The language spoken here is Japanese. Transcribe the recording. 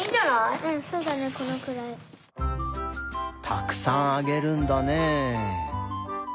たくさんあげるんだねえ。